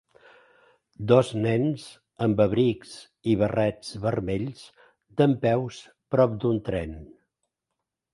Dos nens amb abrics i barrets vermells dempeus prop d'un tren.